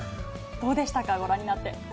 どうでしたか、ご覧になって。